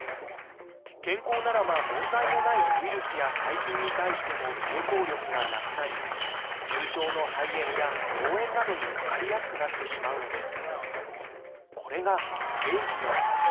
健康ならば問題のないウイルスや細菌に対しても抵抗力がなくなり重症の肺炎や脳炎などにかかりやすくなってしまうのです。